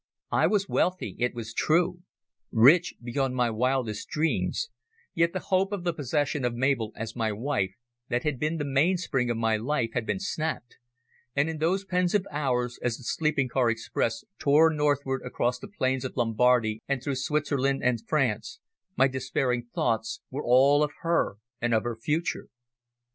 I was wealthy, it was true, rich beyond my wildest dreams, yet the hope of the possession of Mabel as my wife, that had been the mainspring of my life, had been snapped, and in those pensive hours as the sleeping car express tore northward across the plains of Lombardy and through Switzerland and France, my despairing thoughts were all of her and of her future.